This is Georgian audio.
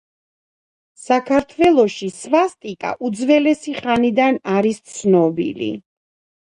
საქართველოში სვასტიკა უძველესი ხანიდან არის ცნობილი.